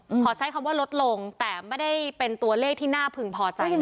ขอใช้คำว่าลดลงแต่ไม่ได้เป็นตัวเลขที่น่าพึงพอใจนะ